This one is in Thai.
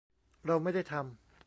เราไม่ได้ทำ